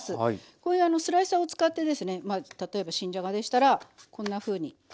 こういうあのスライサーを使ってですねまあ例えば新じゃがでしたらこんなふうに。